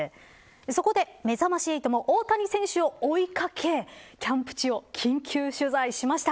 そこで、めざまし８も大谷選手を追い掛けキャンプ地を緊急取材しました。